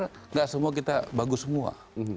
tidak semua kita bagus semua